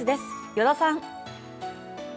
依田さん。